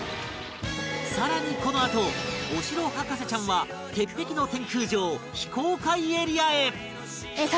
さらにこのあとお城博士ちゃんは鉄壁の天空城非公開エリアへ！